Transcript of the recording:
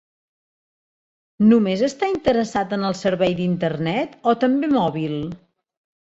Només està interessat en el servei d'internet, o també mòbil?